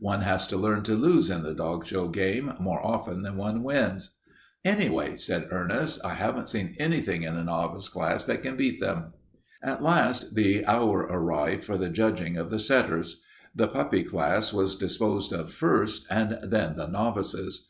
One has to learn to lose in the dog show game more often than one wins." "Anyway," said Ernest, "I haven't seen anything in the novice class that can beat them." At last the hour arrived for the judging of the setters. The puppy class was disposed of first, and then the novices.